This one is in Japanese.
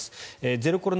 ゼロコロナ